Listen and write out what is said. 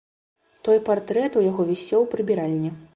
Той партрэт у яго вісеў у прыбіральні.